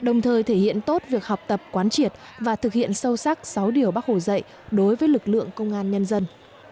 đồng thời thể hiện tốt việc học tập quán triệt và thực hiện sâu sắc sáu điều bác hồ dạy đối với lực lượng công an nhân dân